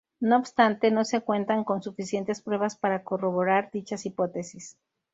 No obstante, no se cuentan con suficientes pruebas para corroborar dicha hipótesis.